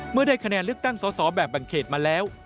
เมื่อได้คะแนนเลือกตั้งสอแบ่งเขตมาแล้ว